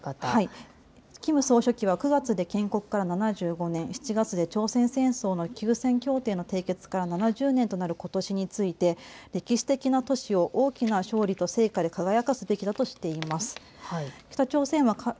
キム総書記は９月で建国から７５年、７月で朝鮮戦争の休戦協定の締結から７０年となることしについて歴史的な年を大きな勝利と成果で輝かすべきだとしています。